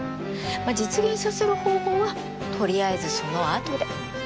まあ実現させる方法は取りあえずそのあとで。